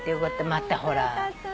またほら。